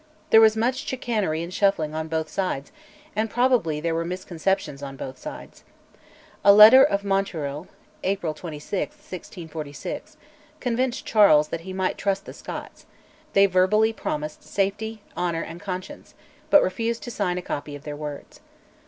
There was much chicanery and shuffling on both sides, and probably there were misconceptions on both sides. A letter of Montereuil (April 26, 1646) convinced Charles that he might trust the Scots; they verbally promised "safety, honour, and conscience," but refused to sign a copy of their words.